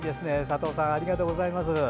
佐藤さん、ありがとうございます。